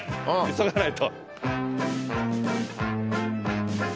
急がないと。